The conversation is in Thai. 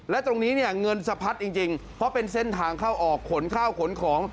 และตรงนี้เนี่ยเงินสะพัดจริงเพราะเป็นเส้นทางเข้าออกขนข้าวขนของ